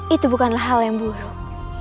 itu bukanlah hal yang buruk